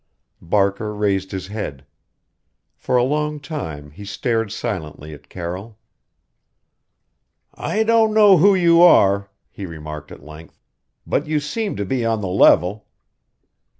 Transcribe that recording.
Barker raised his head. For a long time he stared silently at Carroll. "I don't know who you are," he remarked at length; "but you seem to be on the level."